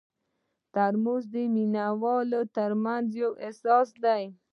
ترموز د مینه والو ترمنځ یو احساس دی.